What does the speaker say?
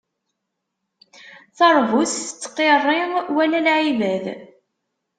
Taṛbut tettqiṛṛi, wala lɛibad.